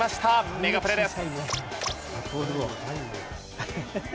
メガプレです。